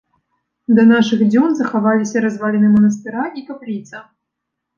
Да нашых дзён захаваліся разваліны манастыра і капліца.